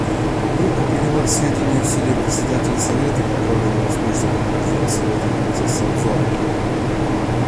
Группа приняла к сведению усилия Председателя Совета, направленные на успешное прохождение Советом процесса обзора.